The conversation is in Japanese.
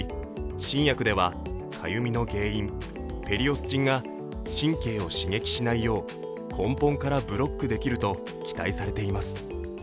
新薬ではかゆみの原因、ペリオスチンが神経を刺激しないよう根本からブロックできると期待されています。